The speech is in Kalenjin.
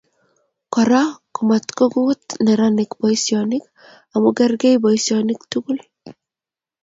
Kora komatkokut nenarik boisionik amu kerkei boisionik tugul